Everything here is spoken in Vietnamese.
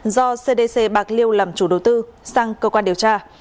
do cdc bạc liêu làm chủ đầu tư sang cơ quan điều tra